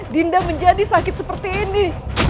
dinda menjadi sakit seperti ini